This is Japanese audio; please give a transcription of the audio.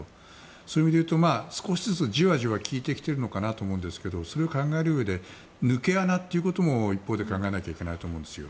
そういう意味でいうと少しずつじわじわ効いてきているのかなと思いますがそれを考えるうえで抜け穴ということも一方で考えないといけないと思うんです。